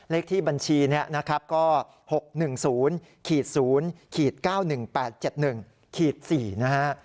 เลขที่บัญชีนี้นะครับก็๖๑๐๐๙๑๘๗๑๔นะฮะ